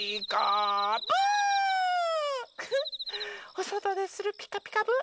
おそとでする「ピカピカブ！」